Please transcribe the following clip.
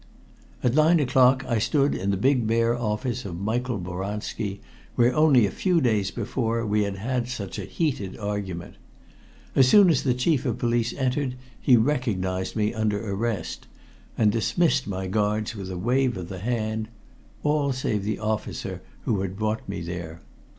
At nine o'clock I stood in the big bare office of Michael Boranski, where only a few days before we had had such a heated argument. As soon as the Chief of Police entered, he recognized me under arrest, and dismissed my guards with a wave of the hand all save the officer who had brought me there.